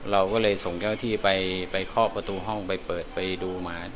เราก็เลยส่งเจ้าที่ไปเคาะประตูห้องไปเปิดไปดูมา